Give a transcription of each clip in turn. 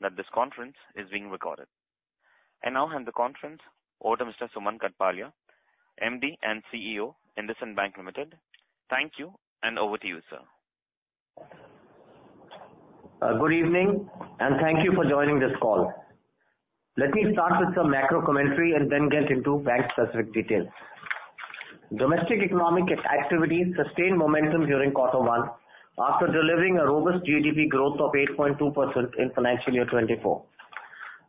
Please note that this conference is being recorded. I now hand the conference over to Mr. Sumant Kathpalia, MD and CEO IndusInd Bank Ltd. Thank you and over to you sir. Good evening and thank you for joining this call. Let me start with some macro commentary and then get into bank specific details. Domestic economic activity sustained momentum during quarter one after delivering a robust GDP growth of 8.2% in financial year 2024.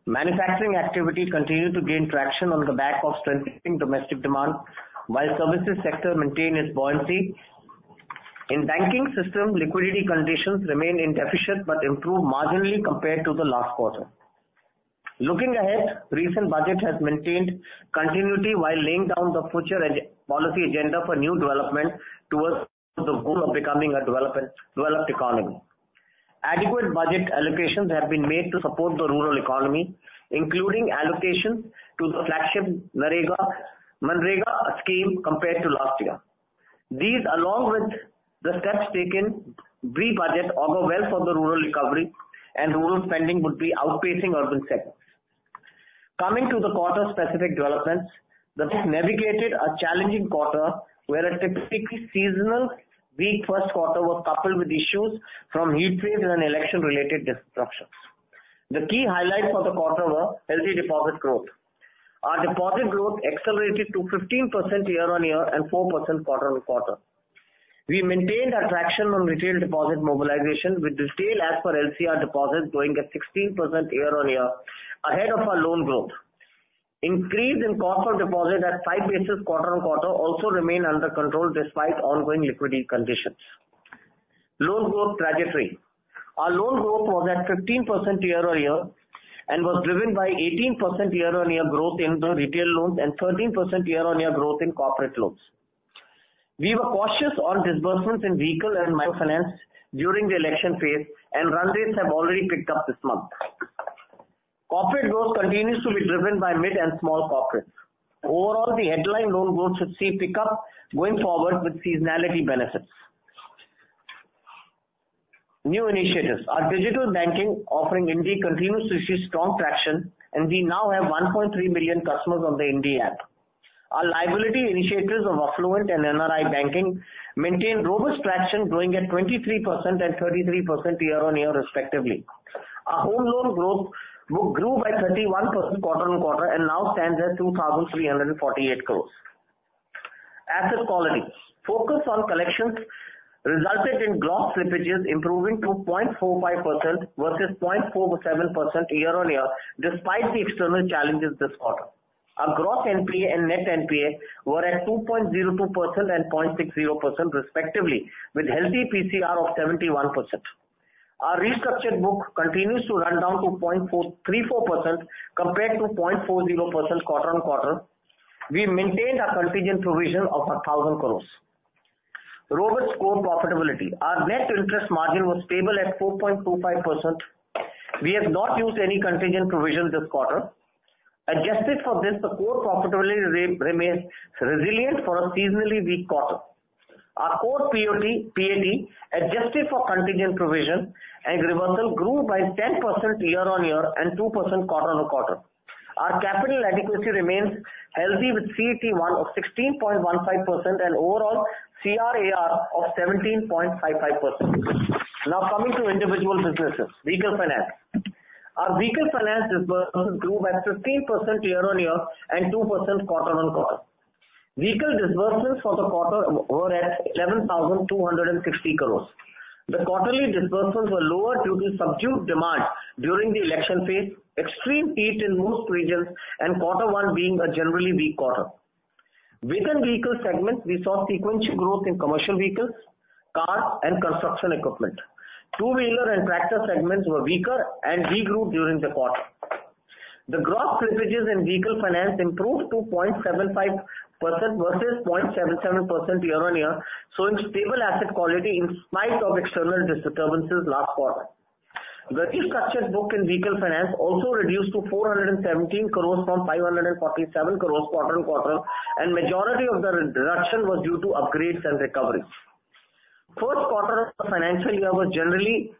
Manufacturing activity continued to gain traction on the back of strengthening domestic demand while services sector maintain its buoyancy. In banking system liquidity conditions remain in deficit but improved marginally compared to the last quarter. Looking ahead, recent budget has maintained continuity while laying down the future and policy agenda for new development towards the goal of becoming a developed economy. Adequate budget allocations have been made to support the rural economy including allocations to the flagship MGNREGA scheme compared to last year. These along with the steps taken recent budget augur well for the rural recovery and rural spending would be outpacing urban settings. Coming to the quarter-specific developments, the bank navigated a challenging quarter where a typically seasonal weak first quarter was coupled with issues from heat waves and election-related disruptions. The key highlights for the quarter were healthy deposit growth. Our deposit growth accelerated to 15% year-on-year and 4% quarter-on-quarter. We maintained our traction on retail deposit mobilization with retail as per LCR deposit going at 16% year-on-year ahead of our loan growth. Increase in cost of deposit at 5 basis points quarter-on-quarter also remain under control despite ongoing liquidity conditions. Loan Growth Trajectory. Our loan growth was at 15% year-over-year and was driven by 18% year-on-year growth in the retail loans and 13% year-on-year growth in corporate loans. We were cautious on disbursements in vehicle and microfinance during the election phase and run rates have already picked up this month. Corporate growth continues to be driven by mid and small corporates. Overall the headline loan growth should see pickup going forward with seasonality benefits. New Initiatives. Our digital banking offering INDIE continues to see strong traction and we now have 1.3 million customers on the INDIE app. Our liability initiatives of affluent and NRI banking maintain robust traction growing at 23% and 33% year-on-year respectively. Our home loan growth grew by 31% quarter-on-quarter and now stands at 2,348 crores. Asset quality focus on collections resulted in gross slippages improving to 0.45% versus 0.47% year-on-year. Despite the external challenges this quarter, our gross NPA and net NPA were at 2.02% and 0.60% respectively with healthy PCR of 71%. Our restructured book continues to run down to 0.434% compared to 0.40% quarter-on-quarter. We maintained our contingent provision of 1,000 crore. Robust core profitability. Our net interest margin was stable at 4.25%. We have not used any contingent provision this quarter. Adjusted for this, the core profitability remains resilient for a seasonally weak quarter. Our core PAT adjusted for contingent provision and reversal grew by 10% year-on-year and 2% quarter-on-quarter. Our capital adequacy remains healthy with CET1 of 16.15% and overall CAR of 17.55%. Now coming to individual businesses. Vehicle finance. Our vehicle finance business grew by 15% year-on-year and 2% quarter-on-quarter. Vehicle disbursements for the quarter were at 11,260 crore. The quarterly disbursements were lower due to subdued demand during the election phase, extreme heat in most regions, and quarter one being a generally weak quarter. Within vehicle segments, we saw sequential growth in commercial vehicles, cars, and construction equipment. Two-wheeler and tractor segments were weaker and degrew during the quarter. The gross slippages in vehicle finance improved to 0.75% versus 0.77% year-on-year, showing stable asset quality in spite of external disturbances last quarter. The restructured book in vehicle finance also reduced to 417 crore from 547 crore quarter-on-quarter, and majority of the reduction was due to upgrades and recoveries. First quarter of the financial year has generally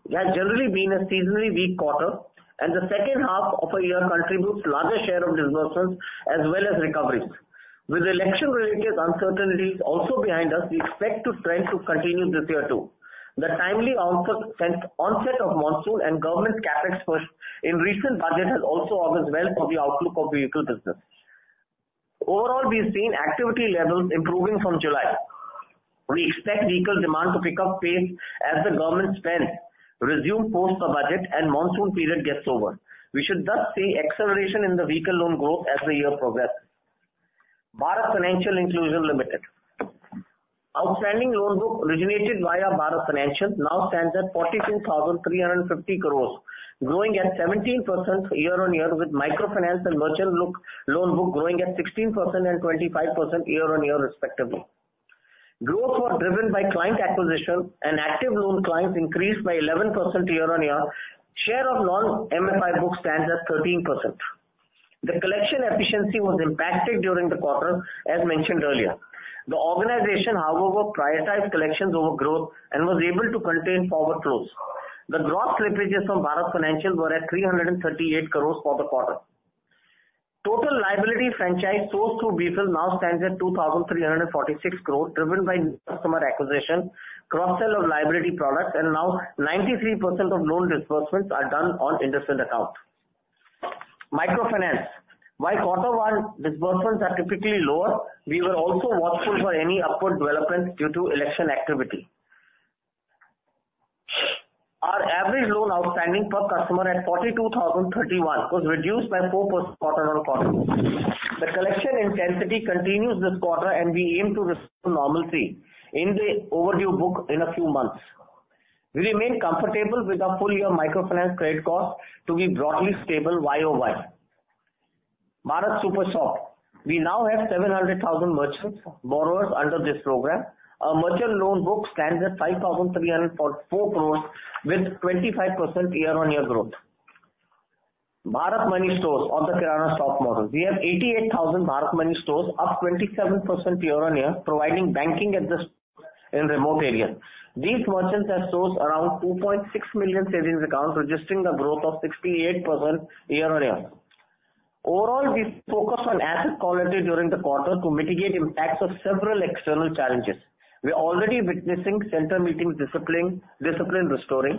been a seasonally weak quarter and the second half of a year contributes larger share of disbursements as well as recoveries. With election-related uncertainties also behind us, we expect to trend to continue this year too. The timely onset of monsoon and government capex in recent budget has also augurs well for the outlook of vehicle business overall. We've seen activity levels improving from July. We expect vehicle demand to pick up pace as the government spends resume post the budget and monsoon period gets over. We should thus see acceleration in the vehicle loan growth as the year progresses. Bharat Financial Inclusion Limited's outstanding loan book originated via Bharat Financial now stands at 42,350 crore growing at 17% year-on-year with microfinance and merchant loan book growing at 16% and 25% year-on-year respectively. Growth was driven by client acquisition and active loan. Clients increased by 11% year-on-year. Share of non-MFI books stands at 13%. The collection efficiency was impacted during the quarter as mentioned earlier. The organization however prioritized collection over growth and was able to contain forward flows. The gross slippages from Bharat Financial were at INR 338 crore for the quarter. Total liability franchise sourced through BFIL now stands at INR 2,346 crore driven by new customer acquisition, cross-sell of liability products and now 93% of loan disbursements are done on IndusInd account. Microfinance. While quarter one disbursements are typically lower, we were also watchful for any upward developments due to election activity. Our average loan outstanding per customer at 42,031 was reduced by 4% quarter. The collection intensity continues this quarter and we aim to receive normalcy in the overdue book in a few months. We remain comfortable with our full-year microfinance credit cost to be broadly stable. On Bharat Super Shop we now have 700,000 merchant borrowers under this program. The merchant loan book stands at 5,344 crore with 25% year-on-year growth. Bharat Money Stores on the Kirana store model we have 88,000 Bharat Money Stores up 27% year-on-year providing banking in remote areas. These merchants have sourced around 2.6 million savings accounts registering the growth of 68% year-on-year. Overall we focus on asset quality during the quarter to mitigate impacts of several external challenges. We are already witnessing center meeting discipline restoring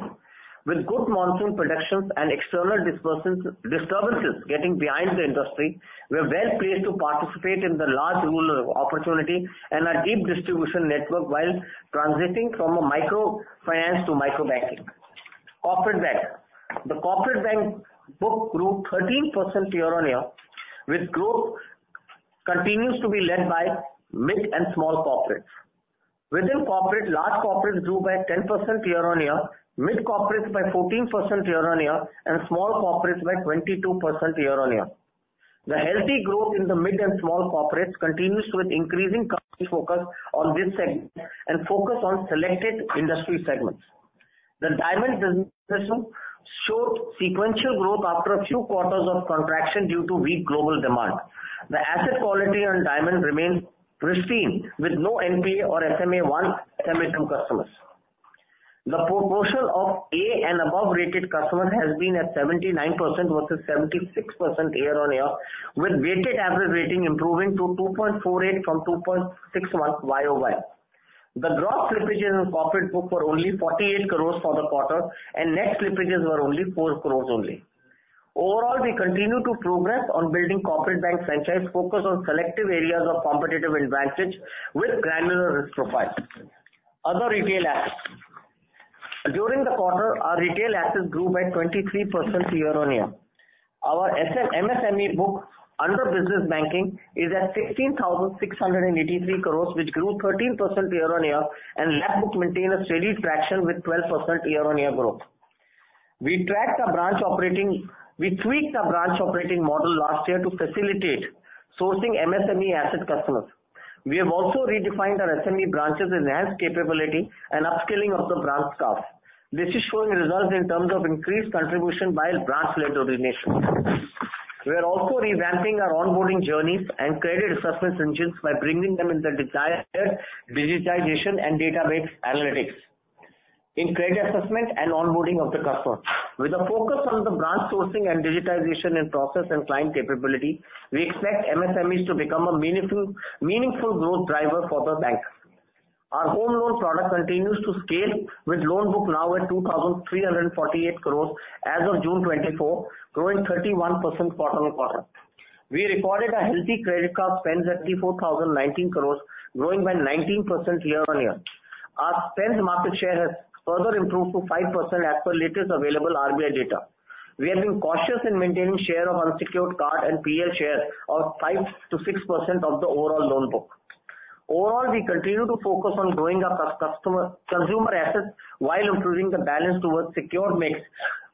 with good monsoon production and external disturbances getting behind the industry. We are well placed to participate in the large rural opportunity and our deep distribution network while transiting from a microfinance to micro banking. Corporate Bank, the corporate bank book grew 13% year-on-year with growth continues to be led by mid and small corporates within corporate. Large corporates grew by 10% year-on-year, mid corporates by 14% year-on-year and small corporates by 22% year-on-year. The healthy growth in the mid and small corporates continues with increasing company focus on this segment and focus on selected industry segments. The diamond business showed sequential growth after a few quarters of contraction due to weak global demand. The asset quality on diamond remains pristine with no NPA or SMA1 SMA2 customers. The proportion of A and above rated customers has been at 79% versus 76% year-on-year with weighted average rating improving to 2.48 from 2.6. YOY the gross slippages in corporate book were only 48 crores for the quarter and net slippages were only 4 crores only. Overall, we continue to progress on building corporate bank franchise. Focus on selective areas of competitive advantage with granular risk profile. Other Retail Assets during the quarter, our retail assets grew by 23% year-on-year. Our MSME book under business banking is at 16,683 crore which grew 13% year-on-year and lending book maintain a steady traction with 12% year-on-year growth. We tracked the branch operating. We tweaked the branch operating model last year to facilitate sourcing MSME asset customers. We have also redefined our SME branches enhanced capability and upskilling of the branch staff. This is showing results in terms of increased contribution by branch-led origination. We are also revamping our onboarding journeys and credit assessment engines by bringing them in the desired digitization and database analytics in credit assessment and onboarding of the customer. With a focus on the branch sourcing and digitization in process and client capability, we expect MSMEs to become a meaningful growth driver for the bank. Our home loan product continues to scale with loan book now at 2,348 crore as of June 24th growing 31% quarter-on-quarter. We recorded a healthy credit card spend 74,019 crore growing by 19% year-on-year. Our spend market share has further improved to 5% as per latest available RBI data. We have been cautious in maintaining share of unsecured card and PL shares of 5%-6% of the overall loan book. Overall we continue to focus on growing our consumer assets while improving the balance towards secured mix.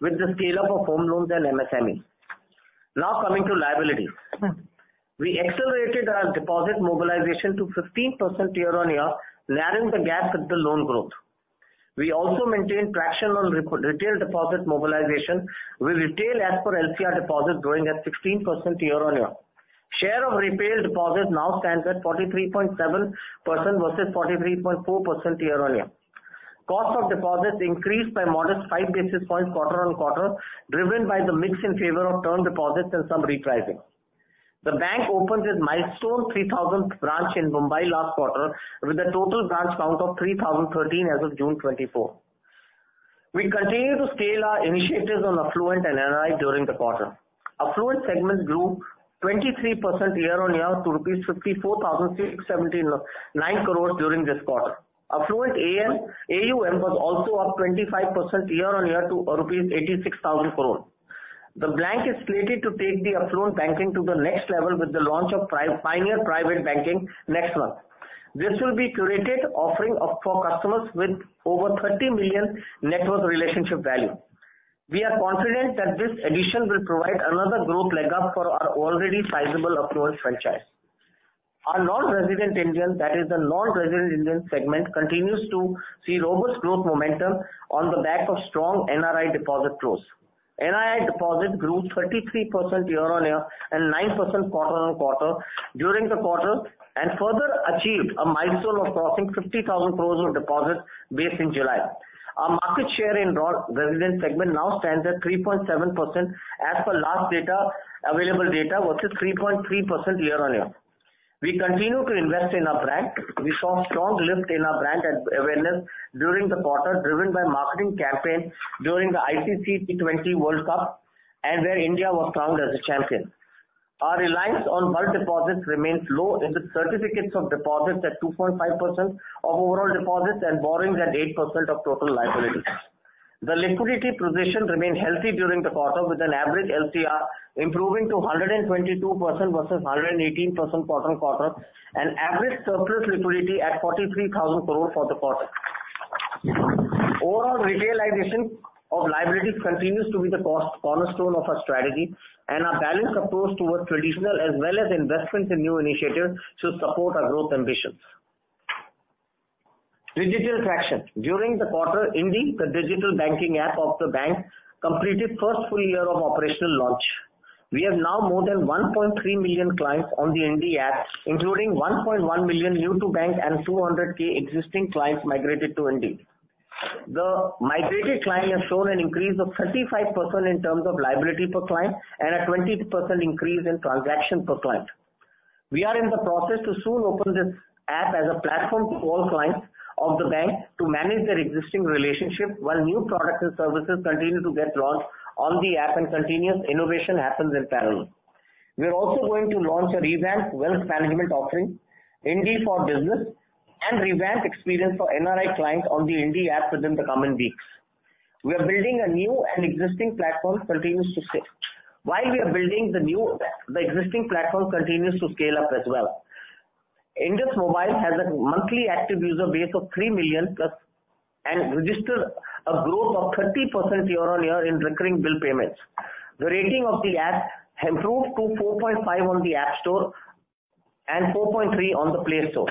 With the scale up of home loans and MSME now coming to liabilities, we accelerated our deposit mobilization to 15% year-on-year narrowing the gap with the loan growth. We also maintained traction on retail deposit mobilization with retail as per LCR deposits growing at 16% year-on-year, share of retail deposits now stands at 43.7% versus 43.4% year-on-year. Cost of deposits increased by modest 5 basis points quarter-on-quarter driven by the mix in favor of term deposits and some repricing. The bank opens its milestone 3,000th branch in Mumbai last quarter with a total branch count of 3,013 as of June 24, 2024. We continue to scale our initiatives on affluent and HNI during the quarter. Affluent segments grew 23% year-on-year to rupees 54,679 crore during this quarter. Affluent AUM was also up 25% year-on-year to 86,000 crore rupees. The bank is slated to take the affluent banking to the next level with the launch of Pioneer Private Banking next month. This will be curated offering for customers with over 30 million Net Relationship Value. We are confident that this addition will provide another growth leg up for our already sizable up north franchise. Our non resident Indian i.e. the non resident Indian segment continues to see robust growth momentum on the back of strong NRI deposit flows. NRI deposit grew 33% year-on-year and 9% quarter-on-quarter during the quarter and further achieved a milestone of crossing 50,000 crore of deposits based in July. Our market share in NRI resident segment now stands at 3.7% as per last available data versus 3.3% year-on-year. We continue to invest in our brand. We saw strong lift in our brand awareness during the quarter driven by marketing campaign during the ICC T20 World Cup and where India was crowned as a champion. Our reliance on bulk deposits remains low in the certificates of deposits at 2.5% of overall deposits and borrowings at 8% of total liabilities. The liquidity position remained healthy during the quarter with an average LCR improving to 122% versus 118% prior quarter and average surplus liquidity at 43,000 crore for the quarter. Overall retailization of liabilities continues to be the cornerstone of our strategy and our balanced approach towards traditional as well as investments in new initiatives should support our growth ambitions. Digital traction during the quarter INDIE, the digital banking app of the bank completed first full year of operational launch. We have now more than 1.3 million clients on the INDIE app including 1.1 million new to bank and 200,000 existing clients migrated to INDIE. The migrated client has shown an increase of 35% in terms of liability per client and a 20% increase in transaction per client. We are in the process to soon open this app as a platform to all clients of the bank to manage their existing relationship. While new products and services continue to get launched on the app and continuous innovation happens in parallel, we're also going to launch a revamped wealth management offering INDIE for business and revamp experience for NRI clients on the INDIE app within the coming weeks. We are building a new and existing platform continues to scale. While we are building the new the existing platform continues to scale up as well. IndusMobile has a monthly active user base of 3 million-plus and register a growth of 30% year-on-year in recurring bill payments. The rating of the app improved to 4.5 on the App Store and 4.3 on the Play Store.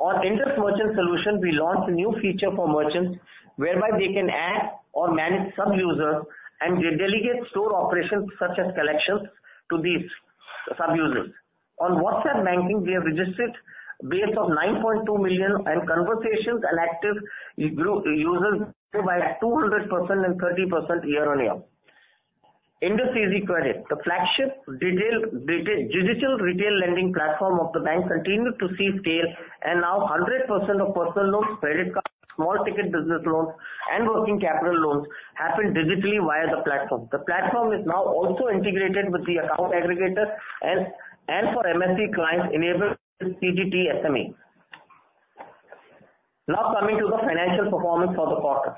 On Indus Merchant Solutions, we launched a new feature for merchants whereby they can add or manage sub users and delegate store operations such as collections to these sub users. On WhatsApp Banking, we have registered base of 9.2 million and conversations and active users by 200% and 30% year-on-year. IndusEasyCredit, the flagship digital retail lending platform of the bank, continued to see scale and now 100% of personal loans, credit cards, small ticket business loans and working capital loans happen digitally via the platform. The platform is now also integrated with the account aggregator and for MSME clients enabled CGTMSE. Now coming to the financial performance for the quarter,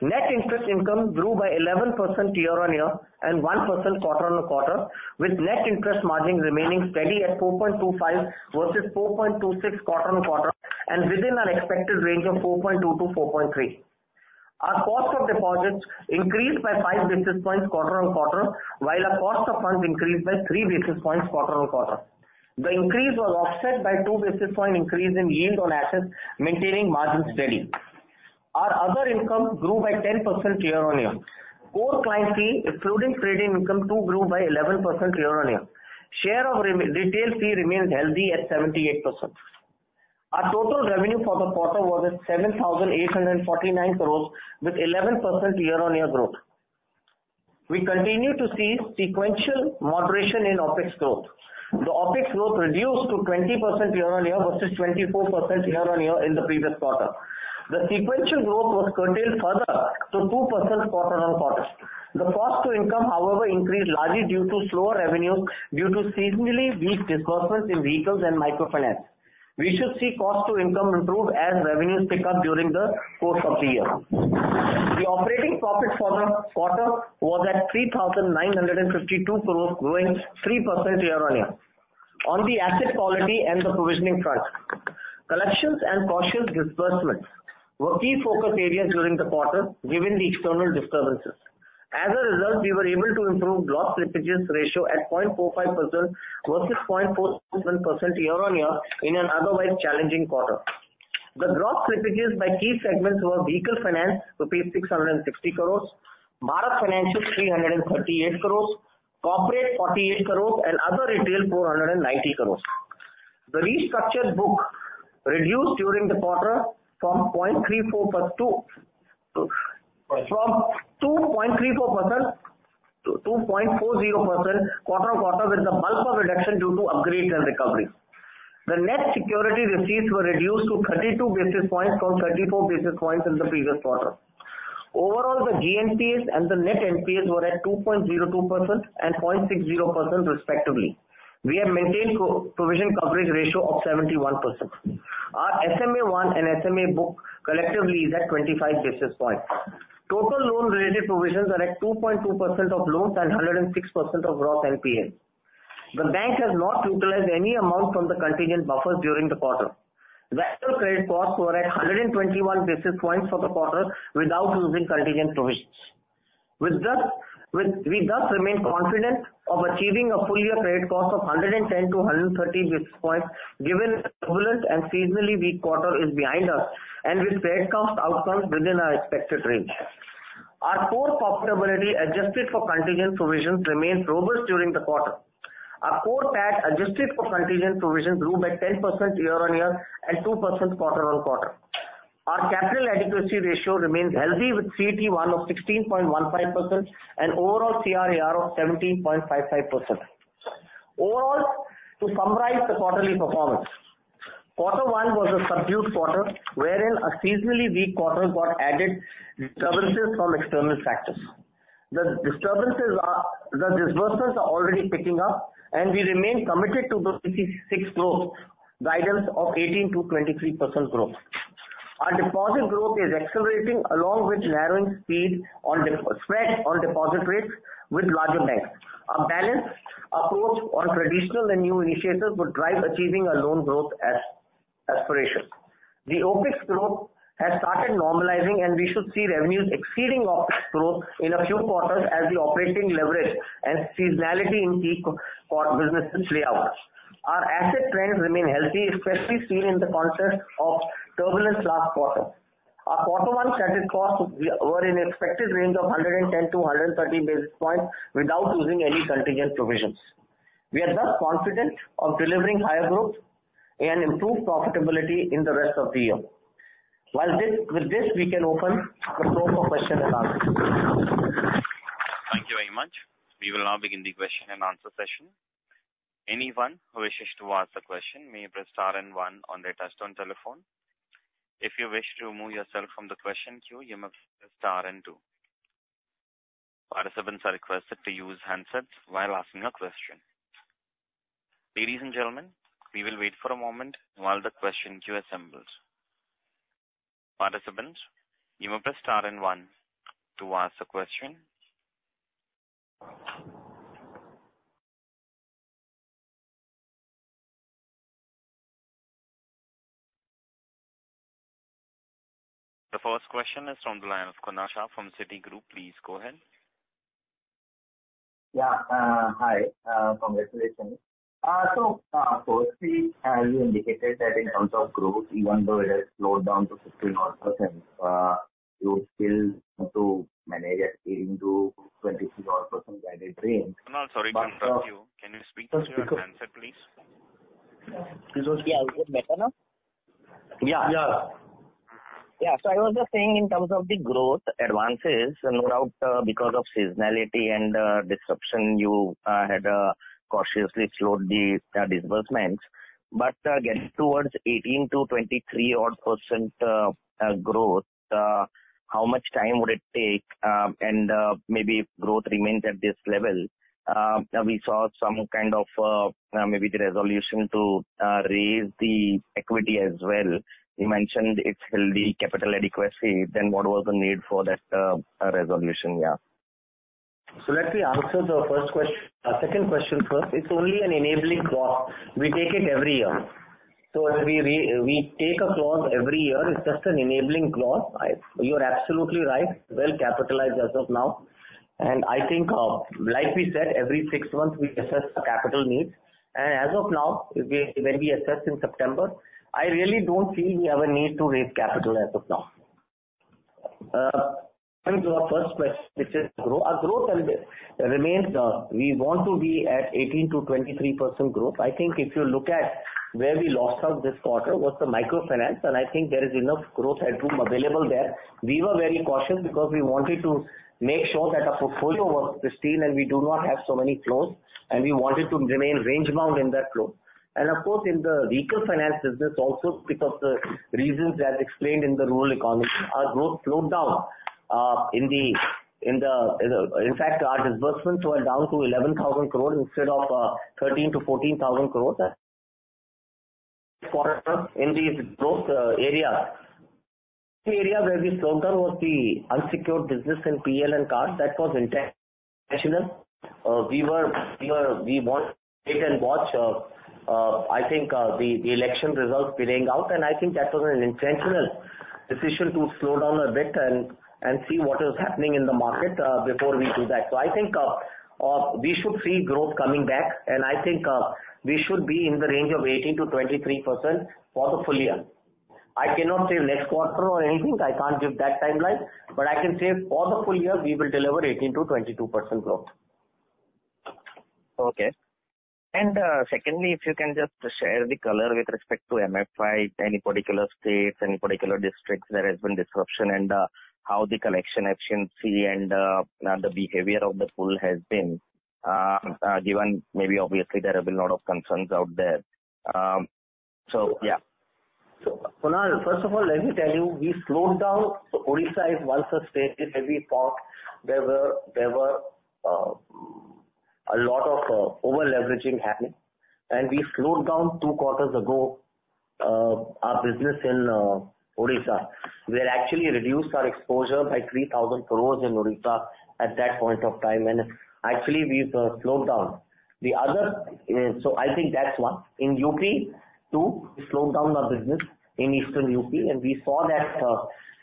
net interest income grew by 11% year-on-year and 1% quarter-on-quarter with net interest margin remaining steady at 4.25% versus 4.26% quarter-on-quarter and within an expected range of 4.2%-4.3%. Our cost of deposits increased by 5 basis points quarter-on-quarter while our cost of funds increased by 3 basis points quarter-on-quarter. The increase was offset by 2 basis point increase in yield on assets maintaining margin steady. Our other income grew by 10% year-on-year. Core client fee excluding trading income too grew by 11% year-on-year. Share of retail fee remains healthy at 78%. Our total revenue for the quarter was at 7,849 crores with 11% year-on-year growth. We continue to see sequential moderation in OpEx growth. The OpEx growth reduced to 20% year-on-year versus 24% year-on-year in the previous quarter. The sequential growth was curtailed further to 2% quarter-on-quarter. The cost to income however increased largely due to slower revenues due to seasonally weak disbursements in vehicles and microfinance. We should see cost to income improve as revenues pick up during the course of the year. The operating profit for the quarter was at 3,952 growing 3% year-on-year on the asset quality and the provisioning. Front collections and cautious disbursements were key focus areas during the quarter given the external disturbances. As a result, we were able to improve loss slippages ratio at 0.45% versus 0.47% year-on-year in an otherwise challenging quarter. The gross slippages by key segments were vehicle finance rupees 660 crore, microfinance 338 crore, corporate 48 crore and other retail 490 crore. The restructured book reduced during the quarter from 2.34% to 2.40% quarter on quarter with the bulk of reduction due to upgrades and recovery. The net security receipts were reduced to 32 basis points from 34 basis points in the previous. Overall the GNPAs and the net NPAs were at 2.02% and 0.60% respectively. We have maintained provision coverage ratio of 71%. Our SMA1 and SMA book collectively is at 25 basis points. Total loan related provisions are at 2.2% of loans and 106% of gross NPAs. The bank has not utilized any amount from the contingent buffers during the quarter. Sector credit costs were at 121 basis points for the quarter without using contingent provisions. We thus remain confident of achieving a full year credit cost of 110-130 basis points given equivalent and seasonally weak quarter is behind us and with credit cost outcomes within our expected range. Our core profitability adjusted for contingent provisions remains robust during the quarter. Our core PAT adjusted for contingent provision grew by 10% year-over-year and 2% quarter-on-quarter. Our capital adequacy ratio remains healthy with CET1 of 16.15% and overall CAR of 17.55% overall. To summarize, the quarterly performance quarter one was a subdued quarter wherein a seasonally weak quarter got added from external factors. The disturbances, the disbursements are already picking up and we remain committed to the 6 growth guidance of 18%-23% growth. Our deposit growth is accelerating along with narrowing spreads on deposit rates with larger banks. A balanced approach on traditional and new initiatives would drive achieving our loan growth aspirations. The OpEx growth has started normalizing and we should see revenues exceeding OpEx growth in a few quarters as the operating leverage and seasonality in key businesses play out. Our asset trends remain healthy, especially seen in the context of turbulence. Last quarter our quarter one credit costs were in expected range of 110 to 113 basis points without using any contingent provisions. We are thus confident of delivering higher growth and improve profitability in the rest of the year. With this we can open the floor for questions and answers. Thank you very much. We will now begin the question and answer session. Anyone who wishes to ask the question may press star one on their touch-tone telephone. If you wish to remove yourself from the question queue, you must star two. Participants are requested to use handsets while asking a question. Ladies and gentlemen, we will wait for. A moment while the question queue assembles participants. You may press star and one to ask a question. The first question is from the line of Kunal Shah from Citigroup. Please go ahead. Yeah, hi. Congratulations. So firstly you indicated that in terms. Of growth, even though it has slowed down to 50, you would still want. To manage at 18%-26% guided range. Can you speak to your answer please? Yeah, yeah. So I was just saying in terms of the growth advances, no doubt because of seasonality and disruption, you had cautiously slowed the disbursements but getting towards 18%-23% odd growth, how much time would it take and maybe growth remains at this level. We saw some kind of, maybe the resolution to raise the equity as well. You mentioned it's healthy capital adequacy. Then what was the. For that resolution? Yeah, so let me answer the first question. Second question first. It's only an enabling clause. We take it every year. So we take a clause every year. It's just an enabling clause. You're absolutely right. Well capitalized as of now, and I think, like we said, every six months we assess the capital needs. And as of now, when we assess in September, I really don't feel we have a need to raise capital as of now, which is our growth remains. We want to be at 18%-23% growth. I think if you look at where we lost out this quarter was the micro finance, and I think there is enough growth headroom available there. We were very cautious because we wanted to make sure that our portfolio was pristine and we do not have so many flows, and we wanted to remain range bound in that flow. And of course in the vehicle finance business also because of the reasons, as explained in the rural economy our growth slowed down. In fact our disbursements were down to 11,000 crores instead of 13,000-14,000 crores. Crores. In these growth areas. The area where we slowed down was the unsecured business in PL and car. That was intentional. We want, I think the election results playing out and I think that was an intentional decision to slow down a bit and, and see what is happening in the market before we do that. So I think we should see growth coming back and I think we should be in the range of 18%-23% for the full year. I cannot say next quarter or anything, I can't give that timeline, but I can say for the full year we will deliver 18%-22% growth. Okay. And secondly, if you can just share the color with respect to MFI, any particular states, any particular districts, there has been disruption and how the collection efficiency and the behavior of the pool has been, given maybe obviously there have been a lot of concerns out there. So yeah. So first of all let me tell you, we slowed down. Odisha is one such state heavy portfolio. There were a lot of. Overleveraging happening and we slowed down two quarters ago our business in Odisha. We had actually reduced our exposure by 3,000 crore in Odisha and at that point of time and actually we've slowed down the other. So I think that's one in UP too. We slowed down our business in eastern UP and we saw that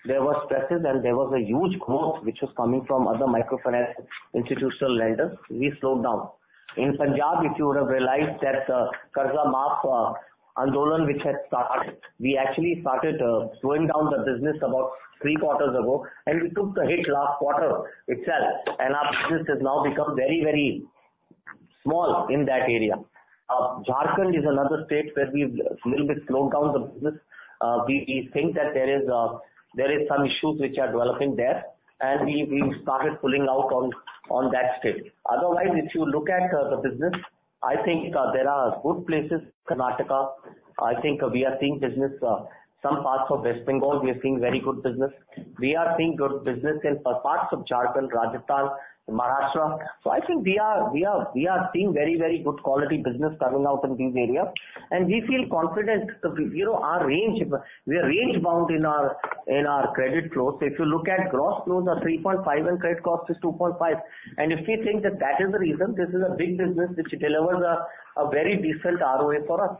there was pressure and there was a huge growth which was coming from other microfinance institutional lenders. We slowed down in Punjab. If you would have realized that Karza Maafi Andolan which had started. We actually started slowing down the business about three quarters ago and we took the hit last quarter itself and our business has now become very, very small in that area. Jharkhand is another state where we little bit slowed down the business. We think that there is some issues which are developing there and we started pulling out on that state. Otherwise if you look at the business, I think there are good places, Karnataka, I think we are seeing business some parts of West Bengal, we are seeing very good business. We are seeing good business in parts of Jharkhand, Rajasthan, Maharashtra. So I think we are seeing very, very good quality business coming out in these areas. And we feel confident we are range bound in our credit flows. If you look at gross flows are 3.5 and credit cost is 2.5. And if we think that that is the reason this is a big business which delivers a, a very decent ROA for us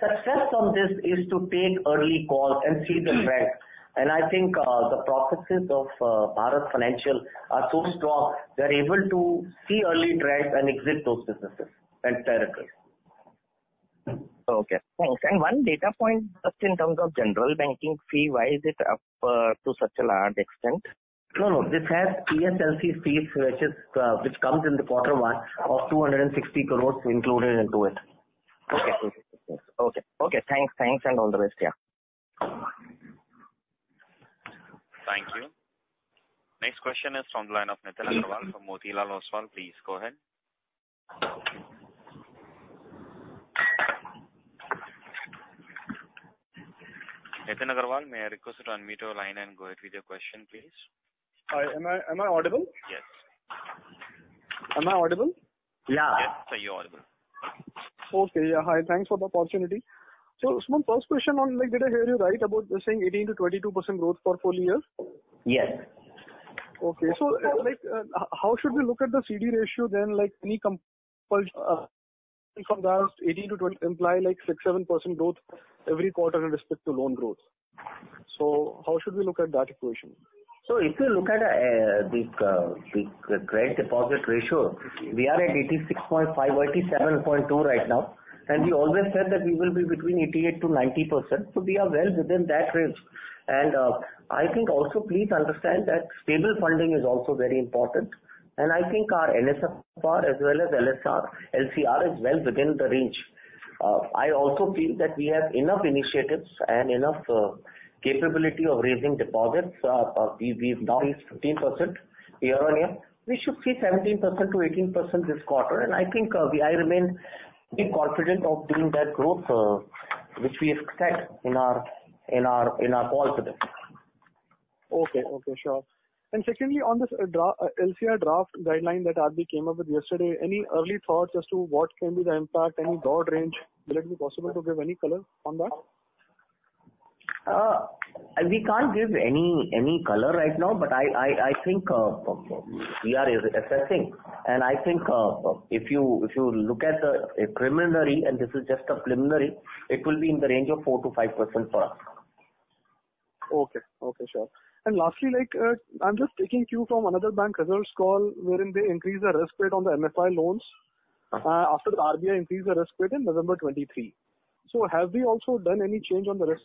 success on this is to take early calls and see the trends. I think the processes of Bharat Financial are so strong they're able to see early trends and exit those businesses and territories. Okay, thanks. One data point just in terms of general banking fee. Why is it up to such a large extent? No, no, this has PSLC fees which is, which comes in the quarter one of 260 crore included into it. Okay. Okay. Okay, thanks. Thanks and all the rest. Yeah. Thank you. Next question is from the line of Nitin Aggarwal from Motilal Oswal. Please go ahead. May I request to unmute your line and go ahead with your question please. Hi, am I, am I audible? Yes. Am I audible? Yeah. You're audible. Okay. Yeah. Hi. Thanks for the opportunity. So first question on like did I hear you right about saying 18%-22% growth for full year? Yes. Okay. So like how should we look at the CD ratio then? Like any compulsion from last 18%-20% imply like 6.7% growth every quarter in respect to loan growth. So how should we look at that equation? If you look at the credit deposit ratio, we are at 86.5 or 87.2 right now. We always said that we will be between 88%-90%. We are well within that risk. I think also please understand that stable funding is also very important. I think our NSFR as well as LCR is well within the range. I also feel that we have enough initiatives and enough capability of raising deposits. We've now reached 15% year-on-year. We should see 17%-18% this quarter. I think I remain confident of doing that growth which we expect in our call today. Okay. Okay, sure. And secondly, on this LCR draft guideline that RBI came up with yesterday, any early thoughts as to what can be the impact? Any broad range, will it be possible to give any color on that? We can't give any color right now, but I think we are assessing and I think if you look at the preliminary and this is just a preliminary, it will be in the range of 4%-5% for us. Okay. Okay, sure. And lastly, like I'm just taking cue from another bank results call wherein they increase the risk rate on the MFI loans after the RBI increase the risk within November 2023. So have we also done any change on the rest?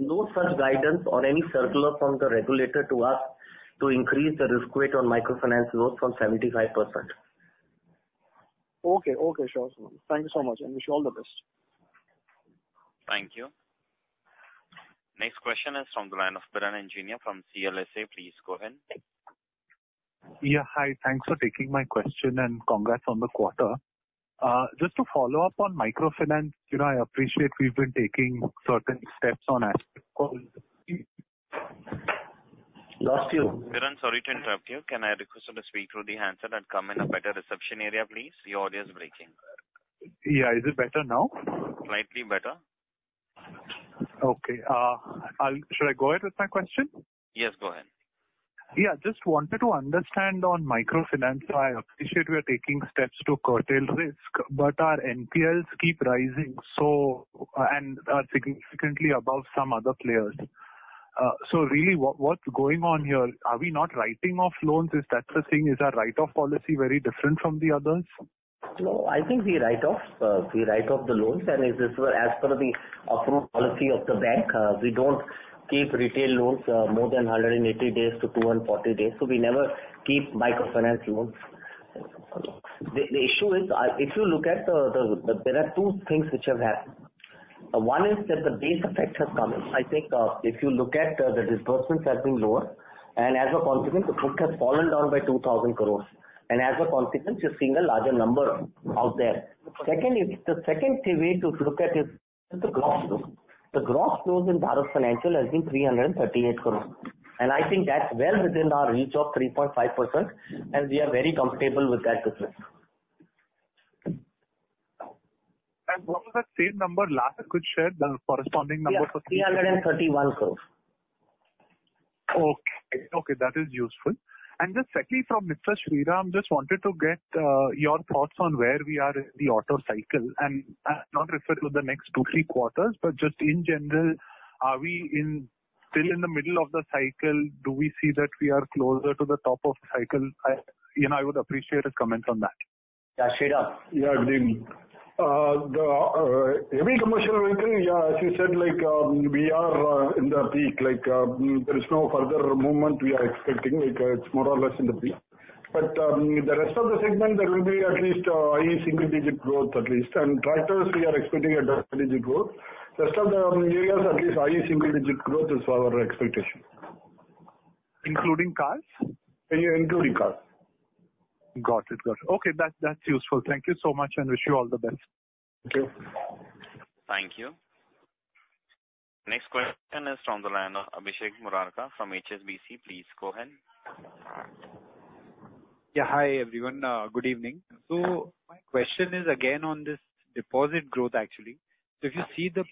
No such guidance or any circular from the regulator to us to increase the risk weight on microfinance loans from 75%. Okay. Okay, sure. Thank you so much and wish you all the best. Thank you. Next question is from the line of Piran Engineer from CLSA. Please go ahead. Yeah, hi. Thanks for taking my question and congrats on the quarter. Just to follow up on microfinance, you know, I appreciate we've been taking certain steps on. Sorry to interrupt you. Can I request you to speak through the handset and come into a better reception area, please. Your audio is breaking. Yeah. Is it better now? Slightly better. Okay. Should I go ahead with my question? Yes, go ahead. Yeah, just wanted to understand on microfinance. I appreciate we are taking steps to curtail risk, but our NPLs keep rising, so are significantly above some other players. Really, what's going on here? Are we not writing off loans? Is that the thing? Is our write-off policy very different from the others? No, I think we write off, we write off the loans and as per the policy of the bank, we don't keep retail loans more than 180-240 days. So we never keep microfinance loans. The issue is if you look at there are two things which have happened. One is that the base effect has come in. I think if you look at the disbursements have been lower and as a consequence the book has fallen down by 2,000 crore. And as a consequence you're seeing a larger number out there. Second if the second theory way to look at is the gross flows in Bharat Financial has been 338 crore and I think that's well within our reach of 3.5% and we are very comfortable with that business. And what was the same number last? Could share the corresponding number 331 crore. Okay, okay, that is useful. And just secondly from Mr. Sumant I just wanted to get your thoughts on where we are in the auto cycle and not refer to the next 2-3 quarters but just in general are we in still in the middle of the cycle? Do we see that we are closer to the top of cycle? You know, I would appreciate a comment on that. Yeah, yeah. The every commercial vehicle. Yeah. As you said like we are in the peak. Like there is no further movement. We are expecting like it's more or less in the peak but the rest. Of the segment there will be at. Least, i.e., single-digit growth at least and tractors. We are expecting double-digit growth. Rest of the areas at least high single digit growth is our expectation. Including cars? Including cars. Got it. Good. Okay, that that's useful. Thank you so much, and wish you all the best. Thank you. Thank you. Next question is from the line of Abhishek Murarka from HSBC. Please go. Yeah. Hi everyone. Good evening. So my question is again on this deposit growth actually. So if you see the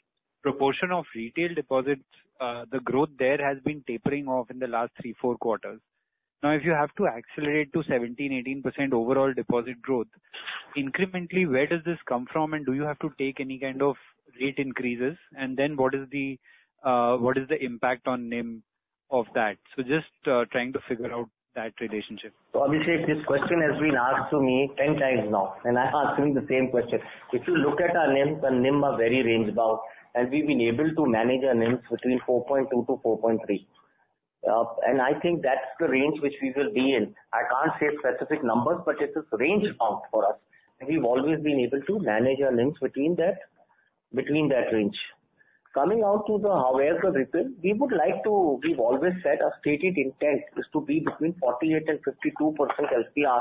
proportion of retail deposits, the growth there has been tapering off in the last 3-4 quarters. Now if you have to accelerate to. 17%-18% overall deposit growth incrementally where does this come from and do you have to take any kind of rate increases and then what is the impact on NIM of that? So just trying to figure out that relationship. Abhishek, this question has been asked to me 10 times now and I asked him the same question. If you look at our NIM, the NIM are very range bound and we've been able to manage our NIMs between 4.2%-4.3%. And I think that's the range which we will be in. I can't say specific numbers but it is range form for us and we've always been able to manage our NIMs between that. Between that range coming out to the However coming to be. We would like to. We've always said our stated intent is to be between 48% and 52% LCR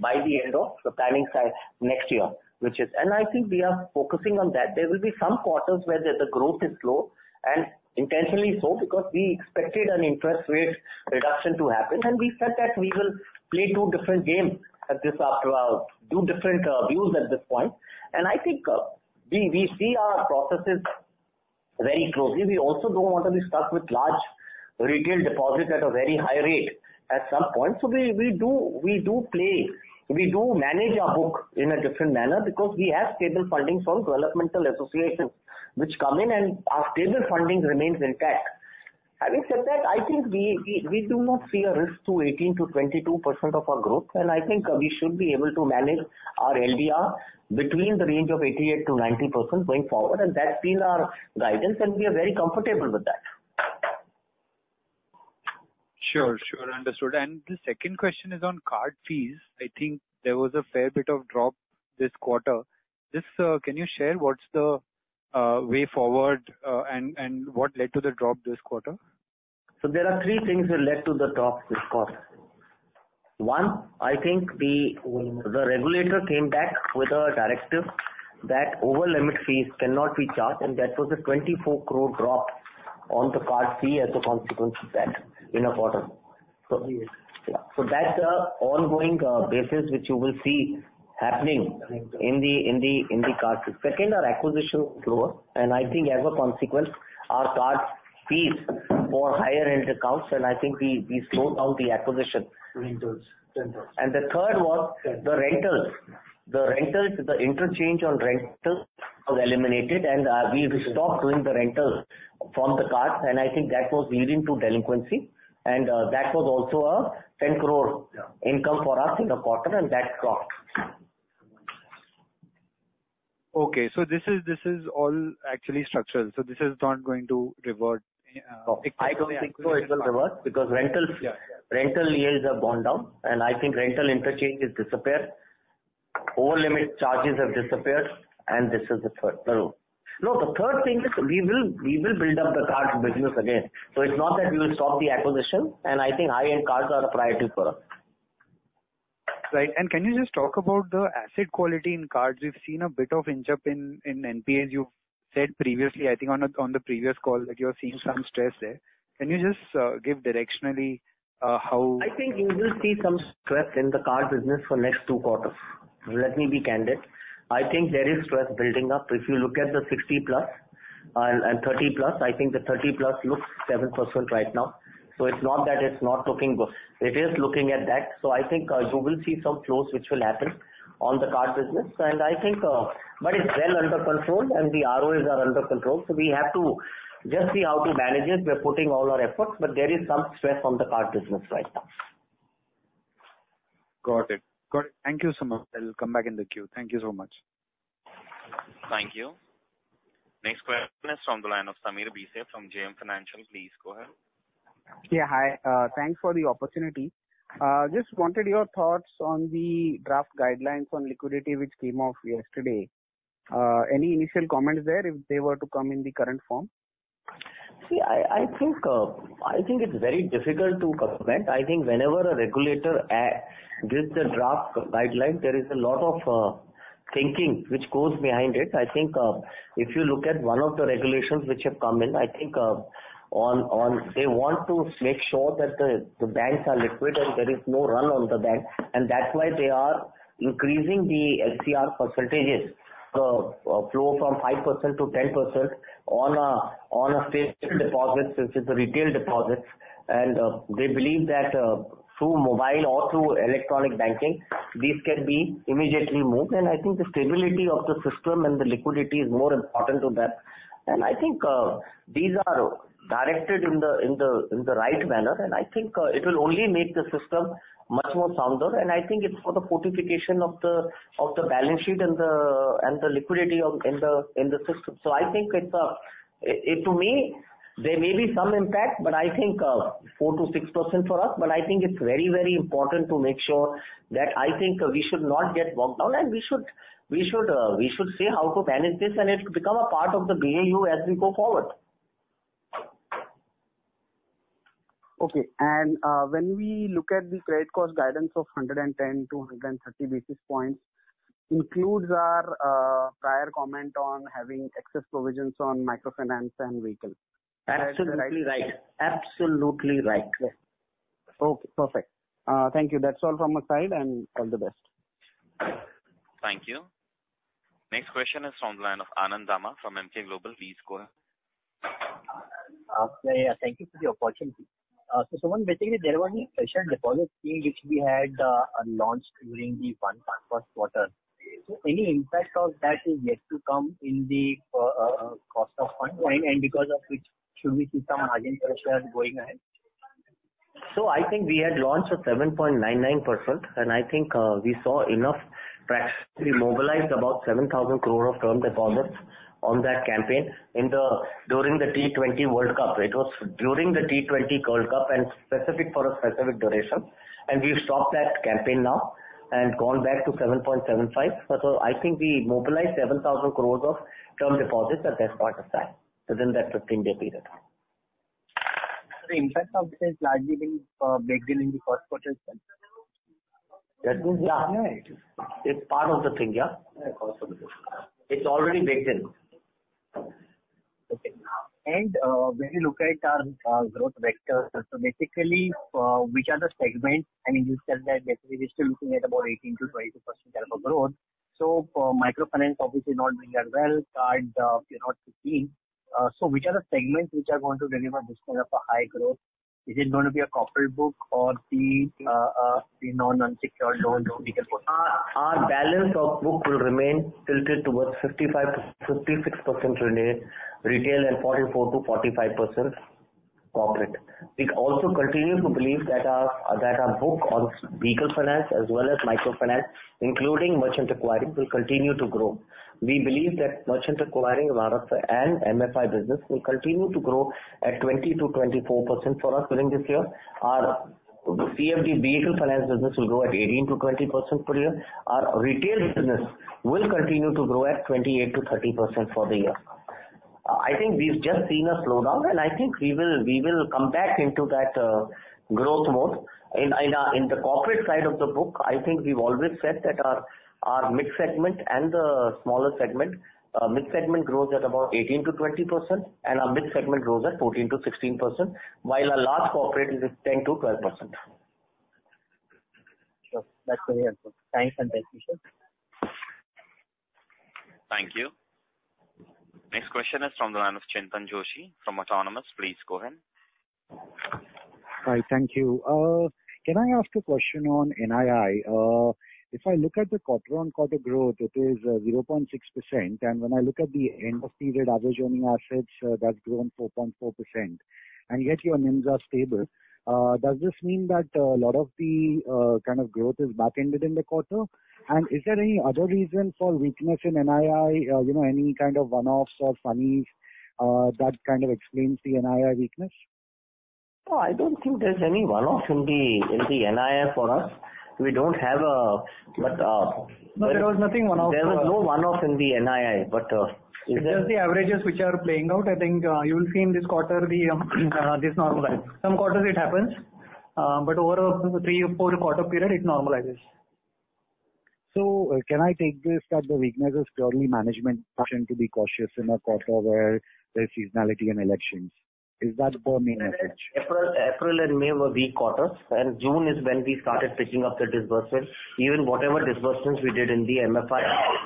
by the end of the planning side next year, which is. And I think we are focusing on that. There will be some quarters where the growth is slow and intentionally so because we expected an interest rate reduction to happen. We said that we will play two different games at this after two different views at this point. I think we see our processes very closely. We also don't want to be stuck with large retail deposits at a very high rate at some point. So we do play, we do manage our book in a different manner because we have stable funding from developmental associations which come in and our stable funding remains intact. Having said that, I think we do not see a risk to 18%-22% of our growth and I think we should be able to manage that. Our LDR between the range of 88%-90% going forward. That's been our guidance and we are very comfortable with that. Sure, sure. Understood. And the second question is on card fees. I think there was a fair bit of drop this quarter. Can you share what's the way forward and what led to the drop this quarter? So there are three things that led to the drop this quarter. One, I think the regulator came back with a directive that over limit fees cannot be charged and that was an 24 crore drop on the card fee as a consequence of that in a quarter. So that ongoing basis which you will see happening in the card. Second, our acquisition was lower and I think as a consequence our card fees for higher end accounts and I think we slowed down the acquisition. And the third was the rentals. The rentals. The interchange on rental was eliminated and we stopped doing the rentals from the card and I think that was leading to delinquency and that was also an 10 crore income for us in the quarter and that clocked. Okay, so this is, this is all actually structural. So this is not going to revert? I don't think so. It will reverse because rental yields have gone down and I think rental interchanges disappear over limit charges have disappeared. And this is the third. No, the third thing is we will build up the card business again. So it's not that we will stop the acquisition. And I think high end cards are a priority for us. Right. And can you just talk about the asset quality in cards? We've seen a bit of inching up in NPAs. You said previously. I think on the previous call that you're seeing some stress there. Can you just give directionally how I. Think you will see some stress in the car business for next two quarters? Let me be candid. I think there is stress building up. If you look at the 60+ and 30+, I think the 30+ looks 7% right now. So it's not that it's not looking good, it is looking at that. So I think you will see some flows which will happen on the card business and I think. But it's well under control and the ROAs are under control. So we have to just see how to manage it. We're putting all our efforts but there is some stress on the card business right now. Got it. Thank you so much. I'll come back in the queue. Thank you so much. Thank you. Next question is from the line of Sameer Bhise from JM Financial. Please go ahead. Yeah, hi. Thanks for the opportunity. Just wanted your thoughts on the draft guidelines on liquidity which came off yesterday. Any initial comments there if they were to come in the current form? See, I think it's very difficult to comment. I think whenever a regulator gives the draft guideline there is a lot of thinking which goes behind it. I think if you look at one of the regulations which have come in, I think that they want to make sure that the banks are liquid and there is no run on the bank and that's why they are increasing the LCR percentages flow from 5% to 10% on a physical deposit which is the retail deposits and they believe that through mobile or through electronic banking these can be immediately moved. And I think the stability of the system and the liquidity, liquidity is more important to them. And I think these are directed in the right manner and I think it will only make the system much more sounder and I think it's for the fortification of the balance sheet and the liquidity in the system. So I think to me there may be some impact. But I think 4%-6% for us. I think it's very, very important to make sure that. I think we should not get bogged down and we should, we should, we should see how to manage this and it will become a part of the BAU as we go forward. Okay. And when we look at the credit cost guidance of 110-130 basis points includes our prior comment on having excess provisions on microfinance and vehicle. Absolutely right. Absolutely right. Okay, perfect. Thank you. That's all from my side and all the best. Thank you. Next question is from the line of Anand Dama from Emkay Global. Please go ahead. Thank you for the opportunity. So someone basically there was a special deposit scheme which we had launched during the first quarter. So any impact of that is yet. To come in the cost of funds and because of which should we see some margin pressures going ahead? So I think we had launched at 7.99% and I think we saw enough practically mobilized about 7,000 crore of term deposits on that campaign during the T20 World Cup. It was during the T20 World Cup and specific for a specific duration and we've stopped that campaign now and gone back to 7.75%. So I think we mobilized 7,000 crore of term deposits at that point of time within that 15-day period. The impact of this has largely been baked in in the first quarter as well. It's part of the thing. Yeah, it's already baked in. Okay. When you look at our growth vectors, so basically which are the segments? I mean you said that basically we're still looking at about 18%-22% credit growth. So for microfinance obviously not doing that well. Card, you know. So which are the segments which are going to deliver this kind of a high growth? Is it going to be a corporate book or the non-unsecured loan? Our balance of book will remain tilted towards 55%-56% renewed retail and 44%-45% corporate. We also continue to believe that our book on vehicle finance as well as micro finance including merchant acquiring will continue to grow. We believe that merchant acquiring and MFI business will continue to grow at 20%-24% for us during this year. Our CFD vehicle finance business will grow at 18%-20% per year. Our retail business will continue to grow at 28%-30% for the year. I think we've just seen a slowdown and I think we will come back into that growth mode in the corporate side of the book. I think we've always said that our mid segment and the smaller segment. Mid segment grows at about 18%-20% and our mid segment grows at 14%-16% while a large corporate is at 10%-12%. Sure, that's very helpful. Thanks and thank you sir. Thank you. Next question is from the line of Chintan Joshi from Autonomous. Please go ahead. Hi. Thank you. Can I ask a question on NII? If I look at the quarter-on-quarter growth, it's 0.6% and when I look at the end of period average earning assets, that's grown 4.4% and yet your NIMs are stable. Does this mean that a lot of the kind of growth is back-ended in the quarter? And is there any other reason for weakness in NII? You know, any kind of one-offs or funnies that kind of explains the NII weakness? I don't think there's any one off in the NII for us. But there was nothing one off. There was no one off in the NII but just the averages which are playing out. I think you will see in this quarter the this normalize some quarters it happens but over three or four quarter period it normalizes. So, can I take this that the weakness is purely management to be cautious in a quarter where there's seasonality in elections? Is that April and May were. Weak quarters, and June is when we started picking up the disbursal, even whatever disbursements we did in the MF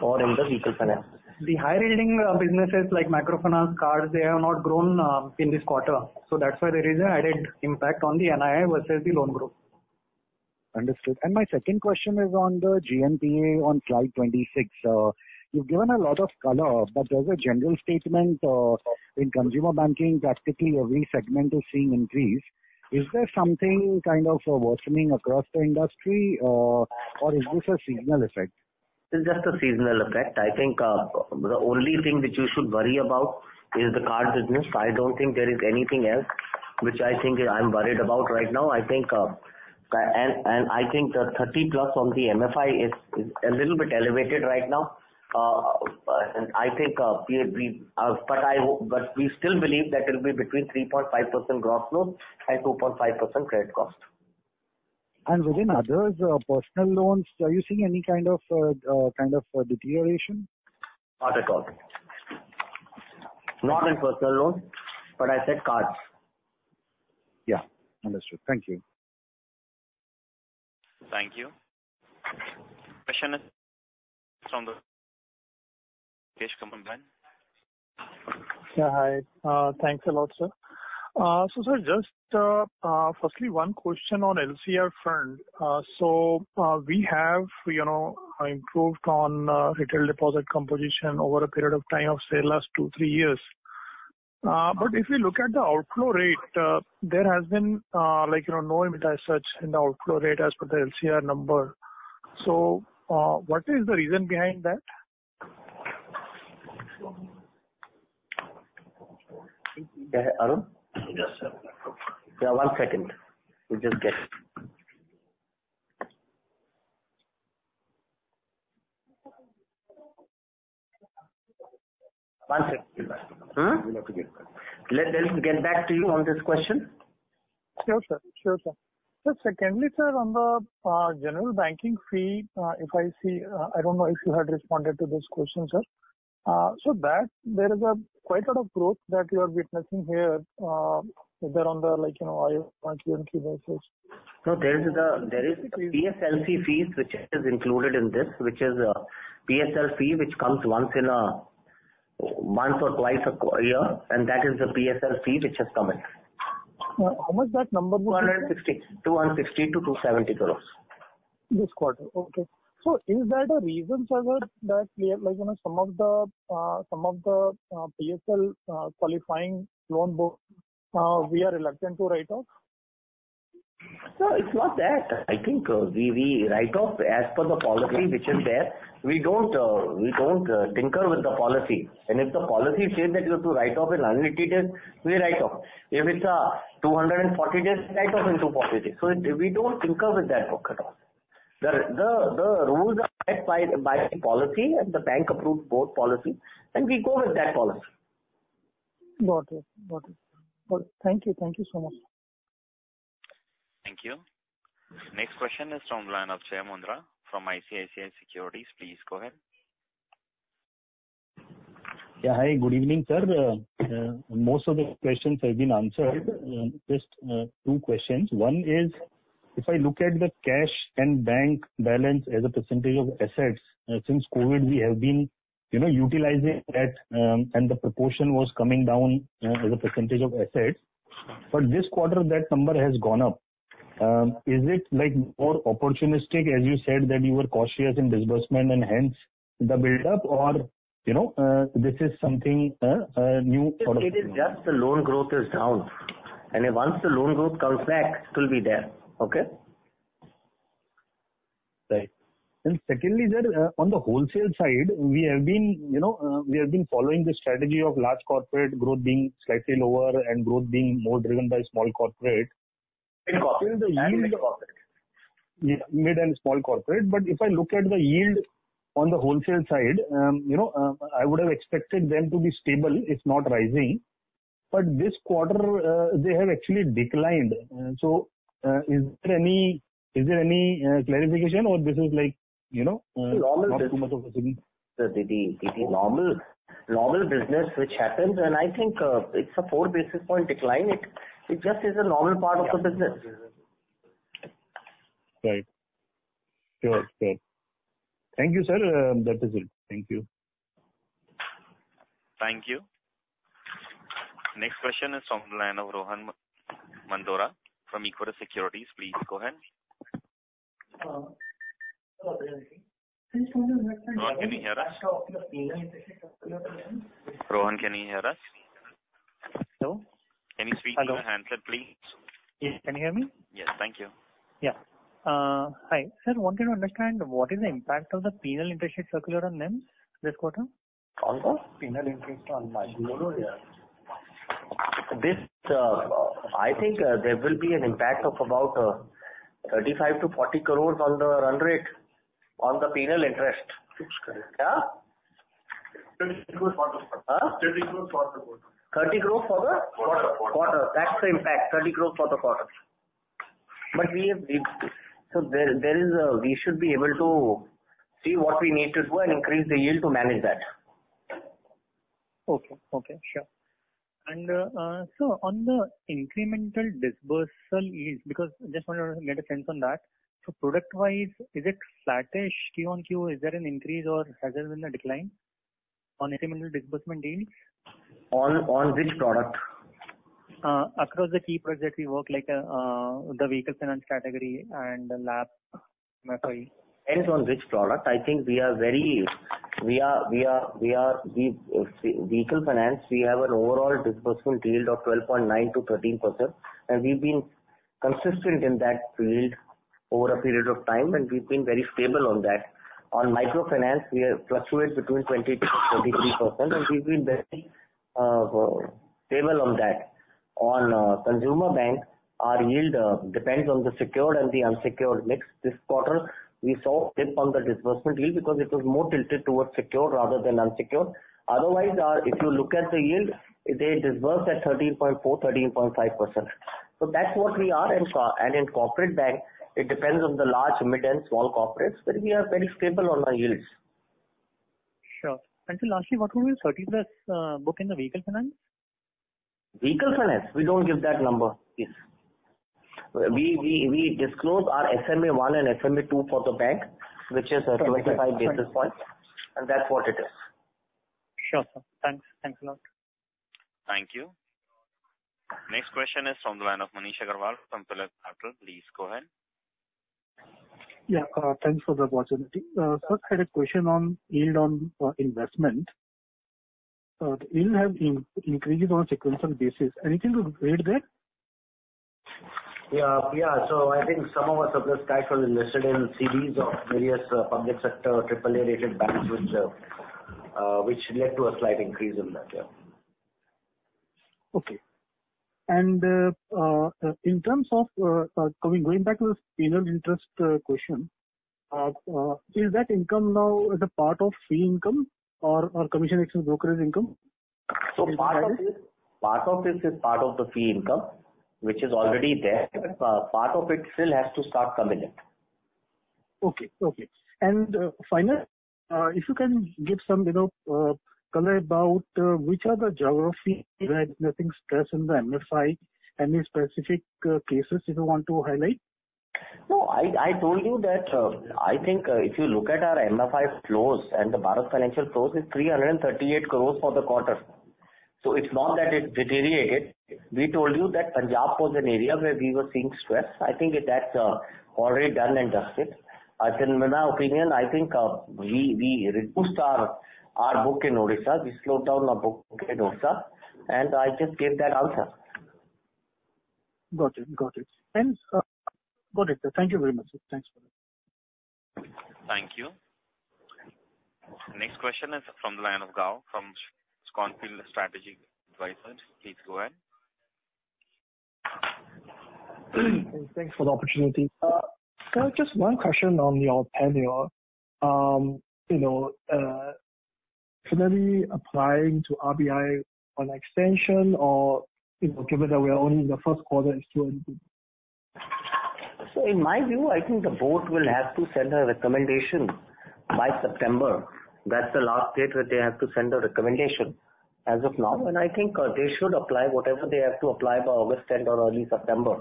or in the vehicle finance. The high-yielding businesses like microfinance, cars, they have not grown in this quarter. So that's why there is an added impact on the NII versus the loan growth. Understood. My second question is on the GNPA on slide 26. You've given a lot of color but there's a general statement in consumer banking practically every segment is seeing increase. Is there something kind of worsening across the industry or is this a signal effect? It's just a seasonal effect. I think the only thing that you should worry about is the card business. I don't think there is anything else which I think I'm worried about right now. I think, and I think the 30+ on the MFI is a little bit elevated right now, and I think, but we still believe that it will be between 3.5% gross loss and 2.5% credit cost. Within others personal loans, are you seeing any kind of kind of deterioration? Not at all, not in personal loan. But I said cards. Yeah, understood, thank you. Thank you. Question is from the Keshav Binani. Hi, thanks a lot Sir. So sir, just firstly one question on LCR front. So we have you know, improved on retail deposit composition over a period of time of say last two, three years. But if we look at the outflow. Rather, there has been, like you know, no impact as such in the outflow rate as per the LCR number. So what is the reason behind that? Yes sir. Yeah, one second. Let's get back to you on this question. Sure, sir, sure sir. Secondly sir, on the general banking fee, if I see. I don't know if you had responded. To this question, sir. So that there is quite a lot of growth that you are witnessing here. They're on the like, you know. There is PSLC fees which is included in this which is a PSL fee which comes once in a month or twice a year. And that is the PSL fee which. Has come in how much? That number 260. 260 crore-INR 270 crore this quarter. Okay, so is that a reason some of the PSL qualifying loan book we are reluctant to write off? So it's not that I think we write off as per the policy which is there; we don't tinker with the policy. And if the policy said that you have to write off an NPA, we write off if it's a 240 days write off into 40 days. So we don't concur with that book at all. The rules policy and the bank approved board policy and we go with that policy. Thank you. Thank you so much. Thank you. Next question is from the line of Jai Mundhra from ICICI Securities. Please go ahead. Yeah. Hi. Good evening, sir. Most of the questions have been answered. Just two questions. One is, if I look at the cash and bank balance as a percentage of assets, since COVID we have been, you know, utilizing that and the proportion was coming down as a percentage of assets. But this quarter that number has gone up. Is it like more opportunistic, as you said that you were cautious in disbursement and hence the build up, or you know this is something new? It is just the loan growth is down and once the loan growth comes back it will be there. Okay. Right. And secondly on the wholesale side we have been, you know we have been. Following the strategy of large corporate growth being slightly lower and growth being more driven by small corporate, mid and small corporate. But if I look at the yield on the wholesale side, you know I would have expected them to be stable. It's not rising. But this quarter they have actually declined. So is there any clarification or? This is like you know. Normal business which happens and I think it's a 4 basis point decline. It just is a normal part of the business. Thank you sir. That is it. Thank you. Thank you. Next question is from the line of Rohan Mandora from Equirus Securities. Please go ahead. Rohan, can you hear us? Can you speak handset please? Yes, can you hear me? Yes, thank you. Yeah. Hi, sir, wanted to understand what is the impact of the penal interest circular on them? I think there will be an impact of about 35 crore-40 crore on the run rate on the penal interest. 30 growth for the quarter. That's the impact 30 crore for the quarter. But we have. So there is a. We should be able to see what we need to do and increase the yield to manage that. Okay. Okay, sure. So on the incremental disbursal is. Because just wanted to get a sense on that. So product wise is it flattish Q-on-Q, is there an increase or? Has there been a decline on incremental disbursement deals on? On which product across the key project we work like the vehicle finance category? LAP depends on which product. I think we are very the vehicle finance. We have an overall disbursement yield of 12.9%-13% and we've been consistent in that field over a period of time and we've been very stable on that. On microfinance we have fluctuated between 20%-23% and we've been very stable on that. On consumer bank our yield depends on the secured and the unsecured mix. This quarter we saw a dip on the disbursement yield because it was more tilted towards secured rather than unsecured. Otherwise if you look at the yield they disbursed at 13.4%-13.5% so that's what we are. In corporate bank it depends on the large, mid and small corporates but we are very stable on our yields. Sure. Until lastly, what would 30 plus book. In the vehicle finance? Vehicle finance we don't give that number. Yes, we. We disclose our SMA1 and SMA2 for the bank, which is a 25 basis points, and that's what it is. Sure sir. Thanks. Thanks a lot. Thank you. Next question is from the line of Manish Agarwalla from PhillipCapital. Please go ahead. Yeah, thanks for the opportunity sir. Had a question on yield on investment. So it will have increases on sequential basis. Anything to read there? Yeah, yeah. So I think some of us are the listed NCDs of various public sector AAA-rated banks which. Which led to a slight increase in that year. Okay. And in terms of going back to the interest question, is that income now as a part of fee income or commission, exchange, brokerage income? Part of this is part of the fee income which is already there. Part of it still has to start coming in. Okay. Okay. Finally, if you can give some, you know, color about which are the geographies noting stress in the MFI. Any specific cases if you want to. Hi, no, I, I told you that I think if you look at our MFI flows and the Bharat Financial process is 338 crore for the quarter. So it's not that it deteriorated. We told you that Punjab was an area where we were seeing stress. I think it had already done and dusted. I think in my opinion, I think we reduced our, our book in Odisha. We slowed down our book in Odisha. And I just gave that answer. Got it. Got it and got it. Thank you very much. Thanks for that. Thank you. Next question is from the line of Gaurav from Schonfeld Strategic Advisors. Please go ahead. Thanks for the opportunity. Just one question on your tenure. You know. Applying to RBI on extension. Or given that we are only in. The first quarter is too. In my view, I think the board will have to send a recommendation by September. That's the last date that they have to send a recommendation as of now. I think they should apply whatever they have to apply by August 10th or early September.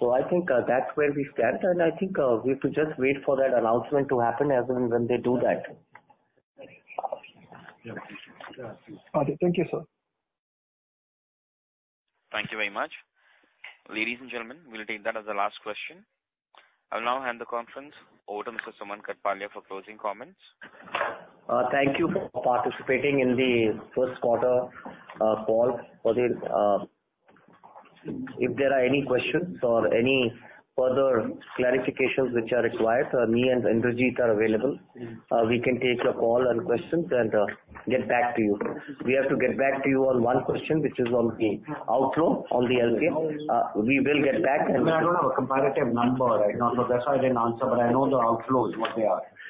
I think that's where we stand and I think we should just wait for that announcement to happen as and when they do that. Okay. Thank you sir. Thank you very much ladies and gentlemen. We'll take that as the last question. I'll now hand the conference over to Mr. Sumant Kathpalia for closing comments. Thank you for participating in the first quarter call for the. If there are any questions or any further clarifications which are required, me and Indrajit are available. We can take a call and questions and get back to you. We have to get back to you on one question which is on the outflow on the LAP. We will get back. I don't have a comparative number right now so that's why I didn't answer. But I know the outflow is what they are.